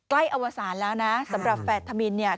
อวสารแล้วนะสำหรับแฝดธมินเนี่ย